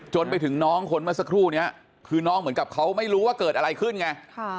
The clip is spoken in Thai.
ไปถึงน้องคนเมื่อสักครู่นี้คือน้องเหมือนกับเขาไม่รู้ว่าเกิดอะไรขึ้นไง